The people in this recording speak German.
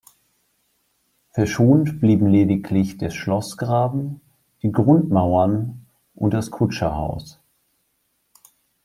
Verschont blieben lediglich der Schlossgraben, die Grundmauern und das Kutscherhaus.